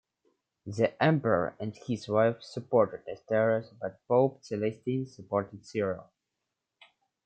The Emperor and his wife supported Nestorius, but Pope Celestine supported Cyril.